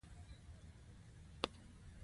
علم د پېسو له پاره نه؛ د ځان جوړوني له پاره ئې وکئ!